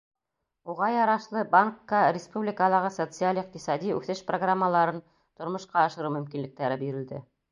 Уға ярашлы, банкка республикалағы социаль-иҡтисади үҫеш программаларын тормошҡа ашырыу мөмкинлектәре бирелде.